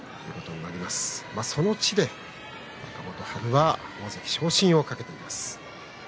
その地で若元春は大関昇進を懸けています。